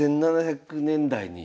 １７００年代に。